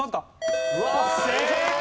正解！